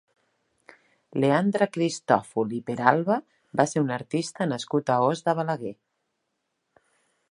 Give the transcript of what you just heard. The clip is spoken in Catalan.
Leandre Cristòfol i Peralba va ser un artista nascut a Os de Balaguer.